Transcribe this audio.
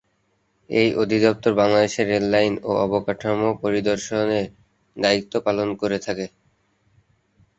এই অধিদফতর বাংলাদেশে রেললাইন ও অবকাঠামো পরিদর্শনের দায়িত্ব পালন করে থাকে।